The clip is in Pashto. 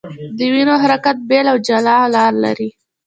د وینو حرکت بېل او جلا لار لري.